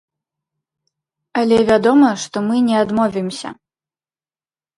Але вядома, што мы не адмовімся.